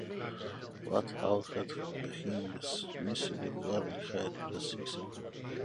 Wat houdt het begrip menselijke waardigheid precies in?